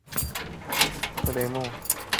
克雷莫。